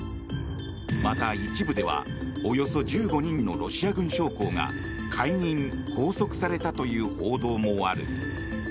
また、一部ではおよそ１５人のロシア軍将校が解任・拘束されたという報道もある。